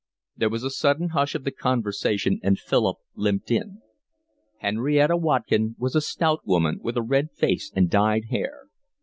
There was a sudden hush of the conversation, and Philip limped in. Henrietta Watkin was a stout woman, with a red face and dyed hair.